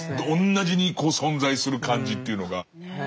同じに存在する感じっていうのが。